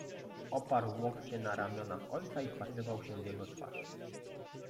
Oparł łokcie na ramionach ojca i wpatrywał się w jego twarz.